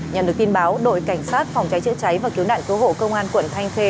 nhận được tin báo đội cảnh sát phòng cháy chữa cháy và cứu nạn cứu hộ công an quận thanh khê